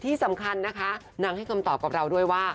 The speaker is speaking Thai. ที่สำคัญนะคะนางให้คำตอบกับเราด้วยว่า